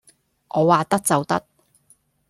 我話得就得